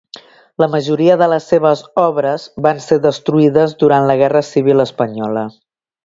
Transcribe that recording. La majoria de les seves obres van ser destruïdes durant la guerra civil espanyola.